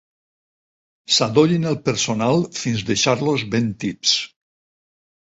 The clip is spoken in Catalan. Sadollin el personal fins deixar-los ben tips.